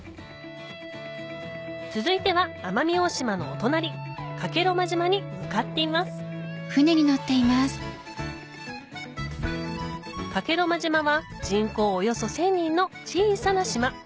続いては奄美大島のお隣加計呂麻島に向かっていますは人口およそ１０００人の小さな島